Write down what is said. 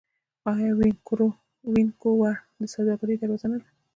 آیا وینکوور د سوداګرۍ دروازه نه ده؟